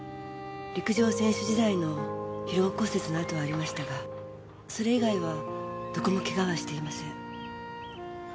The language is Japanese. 陸上選手時代の疲労骨折の痕はありましたがそれ以外はどこも怪我はしていません。